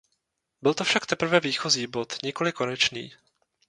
Byl to však teprve výchozí bod, nikoli konečný.